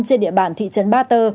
trên địa bàn thị trấn ba tơ